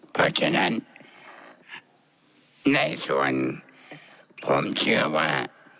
เพราะฉะนั้นในส่วนผมเชื่อว่า